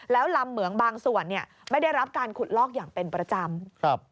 แล้วลำเหมืองบางส่วนเนี่ยไม่ได้รับการขุดลอกอย่างเป็นประจำ